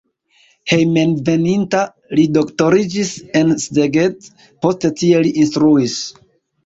Hejmenveninta li doktoriĝis en Szeged, poste tie li instruis.